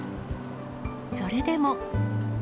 それでも。